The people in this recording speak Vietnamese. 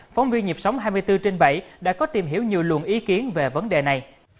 phóng viên nhịp sống hai mươi bốn trên bảy đã có tìm hiểu nhiều luận ý kiến về vấn đề này